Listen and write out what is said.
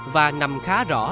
và nằm khá rõ và tốt hơn